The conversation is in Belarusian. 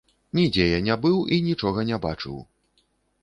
Нідзе я не быў і нічога не бачыў.